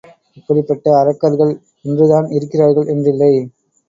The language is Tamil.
இப்படிப்பட்ட அரக்கர்கள் இன்றுதான் இருக்கிறார்கள் என்றில்லை.